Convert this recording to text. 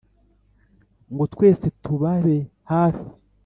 ngo twese tubabe hafi